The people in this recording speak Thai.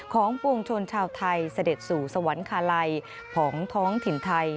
ของปวงชนชาวไทยสเด็ดสู่สวรรคาไลผองท้องถิ่นไทย